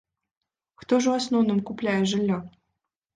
Хто ж у асноўным купляе жыллё?